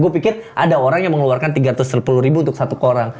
gue pikir ada orang yang mengeluarkan tiga ratus sepuluh ribu untuk satu orang